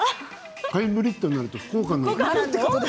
ハイブリッドになると福岡に。